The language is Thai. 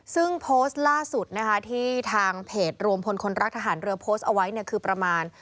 ซึ่งโพสต์ล่าสุดนะคะที่ทางเพจรวมพลคนรักทหารเรือโพสต์เอาไว้เนี่ยคือประมาณ